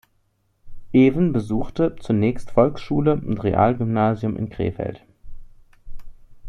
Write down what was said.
Even besuchte zunächst Volksschule und Realgymnasium in Krefeld.